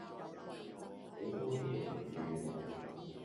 好多野唔預我